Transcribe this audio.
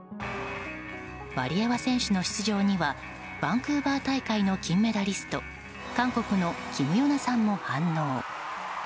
ワリエワ選手の出場にはバンクーバー大会の金メダリスト韓国のキム・ヨナさんも反応。